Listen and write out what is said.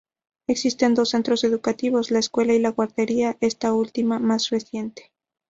Existen dos centros educativos: la escuela y la guardería, esta última más reciente.